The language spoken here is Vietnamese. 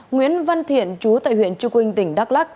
nguyễn văn thiện chú tại huyện trư quynh tỉnh đắk lắc